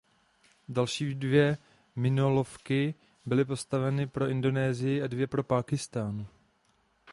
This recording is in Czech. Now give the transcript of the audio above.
Další dvě minolovky byly postaveny pro Indonésii a dvě pro Pákistán.